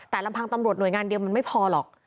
แต่ลำพังตำรวจหน่วยงานเดียวมันไม่พอหรอก